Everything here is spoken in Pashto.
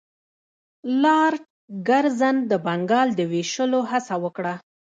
لارډ کرزن د بنګال د ویشلو هڅه وکړه.